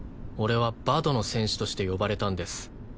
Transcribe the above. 俺はバドの選手として呼ばれたんです。